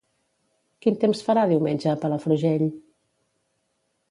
Quin temps farà diumenge a Palafrugell?